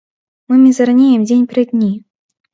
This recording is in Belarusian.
Мы мізарнеем дзень пры дні!